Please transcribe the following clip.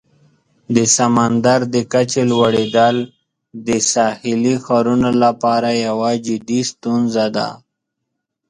د سمندر د کچې لوړیدل د ساحلي ښارونو لپاره یوه جدي ستونزه ده.